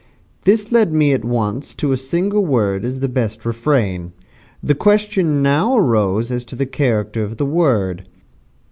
This led me at once to a single word as the best refrain. The question now arose as to the character of the word.